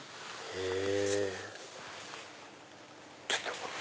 へぇ。